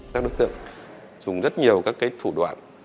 các đối tượng dùng rất nhiều các thủ đoạn